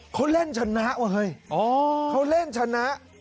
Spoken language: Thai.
เขาเล่นชนะว่ะเฮ้ยเขาเล่นชนะ